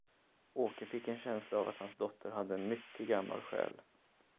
Åke fick en känsla av att hans dotter hade en mycket gammal själ.